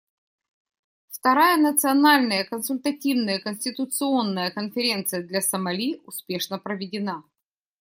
Вторая Национальная консультативная конституционная конференция для Сомали успешно проведена.